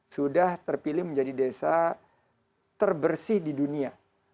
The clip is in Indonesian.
sudah terpilih menjadi desa terbersih di dunia